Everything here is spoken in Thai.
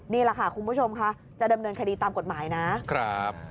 นี่แหละค่ะคุณผู้ชมจะเดิมเนินคดีตามกฎหมายนะ